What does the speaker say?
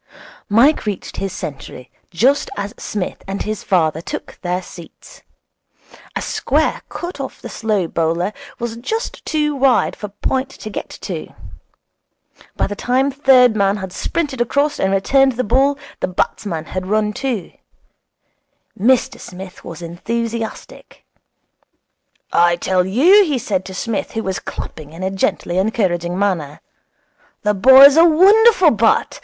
Mike reached his century just as Psmith and his father took their seats. A square cut off the slow bowler was just too wide for point to get to. By the time third man had sprinted across and returned the ball the batsmen had run two. Mr Smith was enthusiastic. 'I tell you,' he said to Psmith, who was clapping in a gently encouraging manner, 'the boy's a wonderful bat.